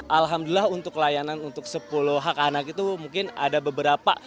alhamdulillah untuk layanan untuk sepuluh hak anak itu mungkin ada beberapa